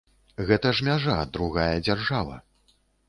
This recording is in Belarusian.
Гэта ж мяжа, другая дзяржава.